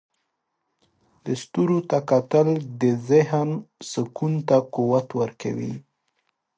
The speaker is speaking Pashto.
د ستورو ته کتل د ذهن سکون ته قوت ورکوي.